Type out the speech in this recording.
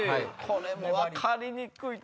これも分かりにくい。